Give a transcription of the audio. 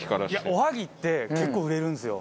おはぎって結構売れるんですよ。